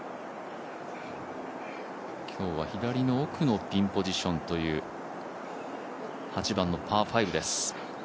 今日は左の奥のピンポジションという８番のパー５です。